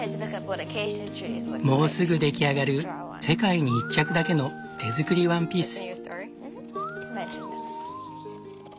もうすぐ出来上がる世界に一着だけの手作りワンピース。